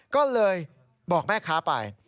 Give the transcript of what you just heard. ก็เลยบอกแม่ค้าไป